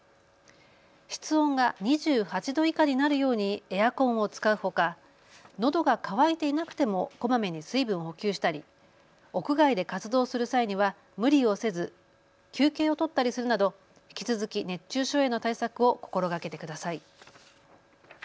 室温が２８度以下になるようにエアコンを使うほかのどが渇いていなくてもこまめに水分を補給したり屋外で活動する際には無理をせず休憩を取ったりするなど引き続き熱中症への対策を心がけてください。